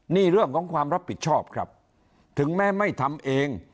นี่เรื่องของความรับผิดชอบครับถึงแม้ไม่ทำเอง